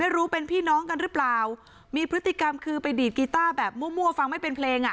รู้เป็นพี่น้องกันหรือเปล่ามีพฤติกรรมคือไปดีดกีต้าแบบมั่วฟังไม่เป็นเพลงอ่ะ